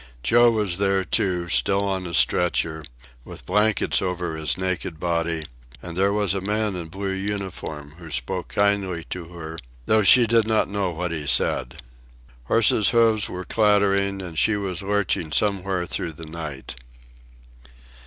Joe was there, too, still on his stretcher, with blankets over his naked body; and there was a man in blue uniform who spoke kindly to her, though she did not know what he said. Horses' hoofs were clattering, and she was lurching somewhere through the night.